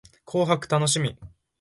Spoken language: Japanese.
紅白楽しみ